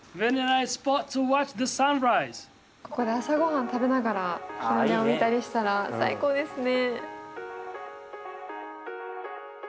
ここで朝ごはん食べながら日の出を見たりしたら最高ですね。